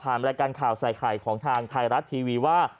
รายการข่าวใส่ไข่ของทางไทยรัฐทีวีว่า